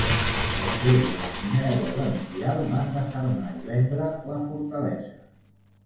Després de la Primera Guerra Mundial van desarmar i vendre la fortalesa.